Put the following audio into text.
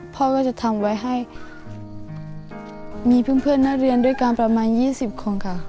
พ่อก็จะทำไว้ให้มีเพื่อนนักเรียนด้วยกันประมาณ๒๐คนค่ะ